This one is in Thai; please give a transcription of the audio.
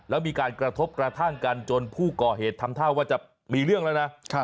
แล้วมีการกระทบกระทั่งกันจนผู้ก่อเหตุทำท่าว่าจะมีเรื่องแล้วนะ